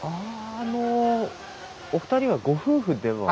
あのお二人はご夫婦では。